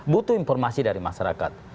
butuh informasi dari masyarakat